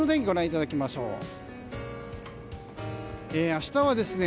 ご覧いただきましょう。